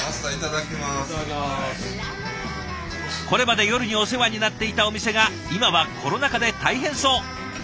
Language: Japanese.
これまで夜にお世話になっていたお店が今はコロナ禍で大変そう。